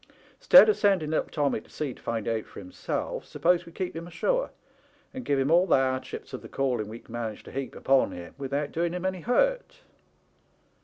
'Stead of sending little Tommy to sea to find out for himself, suppose we keep him ashore and give him all the hardships of the calling we can manage to heap upon him without doing him any hurt